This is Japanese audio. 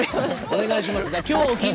お願いします。